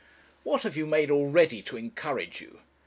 What have you made already to encourage you?'